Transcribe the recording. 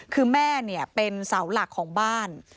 คือแม่เป็นเสาหลักของบ้าน